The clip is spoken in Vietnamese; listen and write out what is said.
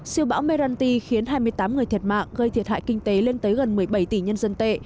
siêu bão meranti khiến hai mươi tám người thiệt mạng gây thiệt hại kinh tế lên tới gần một mươi bảy tỷ nhân dân tệ